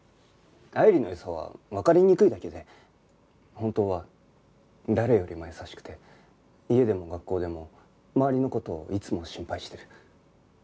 愛理の良さはわかりにくいだけで本当は誰よりも優しくて家でも学校でも周りの事をいつも心配してる。